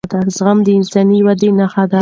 زغم د انساني ودې نښه ده